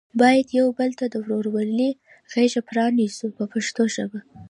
باید یو بل ته د ورورۍ غېږه پرانیزو په پښتو ژبه.